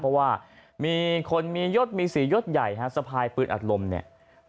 เพราะว่ามีคนมียศมีสียศใหญ่ฮะสะพายปืนอัดลมเนี่ย